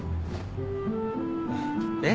えっ？